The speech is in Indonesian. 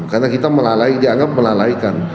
karena kita melalaikan dianggap melalaikan